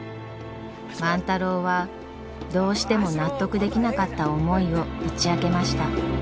万太郎はどうしても納得できなかった思いを打ち明けました。